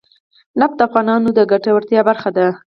نفت د افغانانو د ګټورتیا برخه ده.